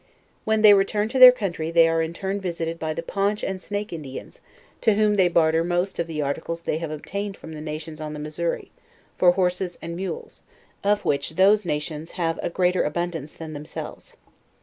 When they return to their country, they are in turn visited by the Paunch and Snake Indians, to whom they barter most of the articles they have obtained from the nations on the Missouri, for hor ses and mules, of which those nations have a greater abun dance than themselves.